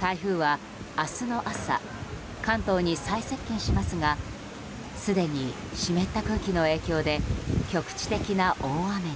台風は明日の朝、関東に最接近しますがすでに湿った空気の影響で局地的な大雨に。